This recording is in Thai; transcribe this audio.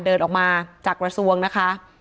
เดินออกมาจากกระทรวงนะคะ